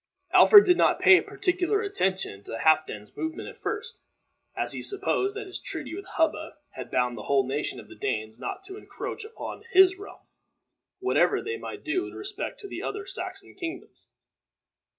Alfred did not pay particular attention to Halfden's movements at first, as he supposed that his treaty with Hubba had bound the whole nation of the Danes not to encroach upon his realm, whatever they might do in respect to the other Saxon kingdoms.